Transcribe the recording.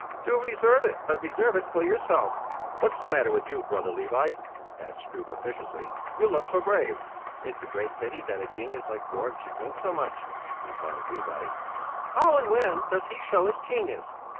"Do reserve it, but reserve it for yourself!" "What's the matter with you, brother Levi?" asked Struve officiously; "you look so grave." "It's a great pity that a genius like Borg should drink so much," replied Levi. "How and when does he show his genius?"